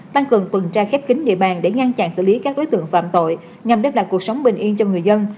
tăng cường tuần tra khép kính địa bàn để ngăn chặn xử lý các đối tượng phạm tội nhằm đáp đặt cuộc sống bình yên cho người dân